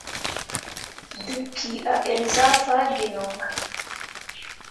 Debki a ǝn zah faa gino.